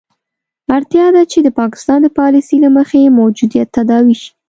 اړتیا ده چې د پاکستان د پالیسي له مخې موجودیت تداوي شي.